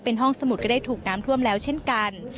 เป็นห้องสมุดก็ได้ถูกน้ำท่วมแล้วเช่นกัน